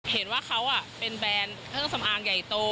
เห็นว่าเขาเป็นแบรนด์เครื่องสำอางใหญ่โต